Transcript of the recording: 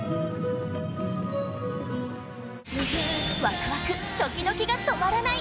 ワクワク、ドキドキが止まらない！